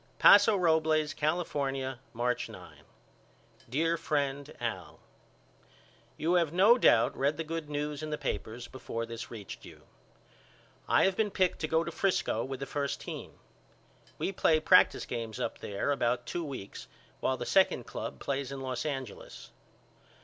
Paso Robles, California, March 9. DEAR FRIEND AL: You have no doubt read the good news in the papers before this reached you. I have been picked to go to Frisco with the first team. We play practice games up there about two weeks while the second club plays in Los Angeles.